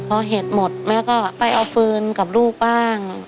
พอเห็ดหมดแม่ก็ไปเอาฟืนกับลูกบ้าง